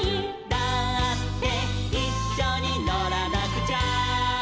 「だっていっしょにのらなくちゃ」